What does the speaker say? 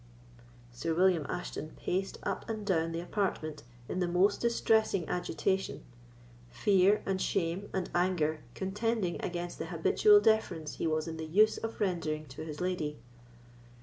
Sir William Ashton paced up and down the apartment in the most distressing agitation; fear, and shame, and anger contending against the habitual deference he was in the use of rendering to his lady.